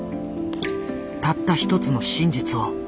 たった一つの真実を。